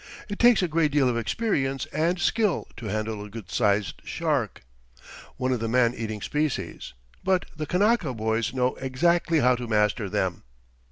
It takes a great deal of experience and skill to handle a good sized shark, one of the man eating species, but the Kanaka boys know exactly how to master them.